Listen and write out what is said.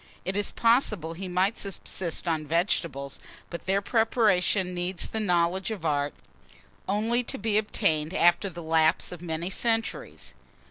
It is possible he might subsist on vegetables; but their preparation needs the knowledge of art, only to be obtained after the lapse of many centuries.